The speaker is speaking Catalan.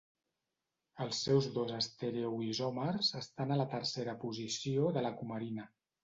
Els seus dos estereoisòmers estan a la tercera posició de la cumarina.